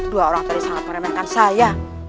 dua orang tadi sangat meremehkan saya